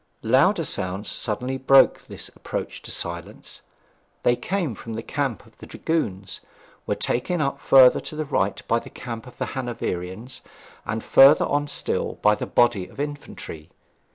Louder sounds suddenly broke this approach to silence; they came from the camp of dragoons, were taken up further to the right by the camp of the Hanoverians, and further on still by the body of infantry.